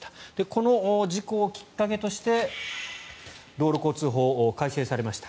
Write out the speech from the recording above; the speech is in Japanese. この事故をきっかけとして道路交通法が改正されました。